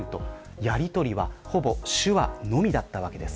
やりとりは、ほぼ手話のみだったわけです。